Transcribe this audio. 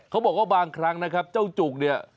เขาบอกว่าบางครั้งนะครับเจ้าจุกเนี่ย